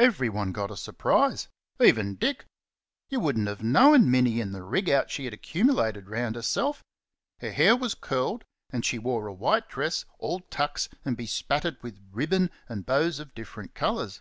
Everyone got a surprise even Dick. You wouldn't have known Minnie in the rig out she had accumulated round herself. Her hair was curled, and she wore a white dress all tucks and bespattered with ribbon and bows of different colours.